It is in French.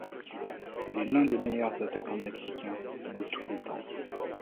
Il est l'un des meilleurs attaquants mexicains de tous les temps.